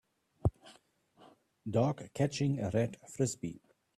Dog catching a red Frisbee.